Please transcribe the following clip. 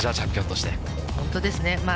本当ですね。